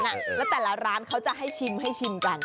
แล้วแต่ละร้านเขาจะให้ชิมกัน